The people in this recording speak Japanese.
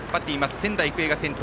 仙台育英が先頭。